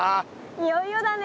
いよいよだね。